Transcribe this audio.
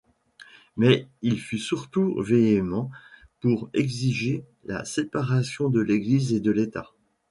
Mais il fut surtout véhément pour exiger la séparation de l'Église et de l'État.